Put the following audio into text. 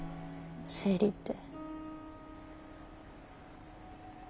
生理って。